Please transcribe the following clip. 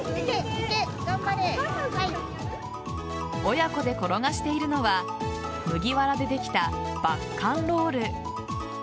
親子で転がしているのは麦わらでできた麦稈ロール。